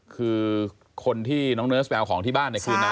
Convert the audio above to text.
คือคนที่น้องเนิร์สไปเอาของที่บ้านในคืนนั้น